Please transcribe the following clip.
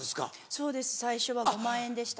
そうです最初は５万円でした。